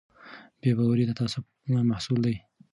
بې باوري د تعصب محصول دی